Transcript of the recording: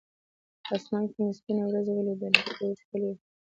په اسمان کې مې سپینه ورېځ ولیدله، چې ډېره ښکلې وه.